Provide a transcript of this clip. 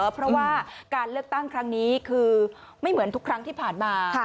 เพราะว่าการเลือกตั้งครั้งนี้คือไม่เหมือนทุกครั้งที่ผ่านมา